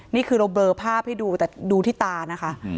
นี่คือเราเบลอภาพให้ดูแต่ดูที่ตานะคะ